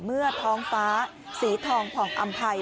เมื่อท้องฟ้าสีทองผ่องอำภัย